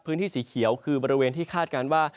พื้นที่สีเขียวคือบริเวณที่คาดการณ์ว่า